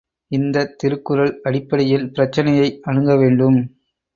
இந்தத் திருக்குறள் அடிப்படையில் பிரச்சனையை அணுக வேண்டும்.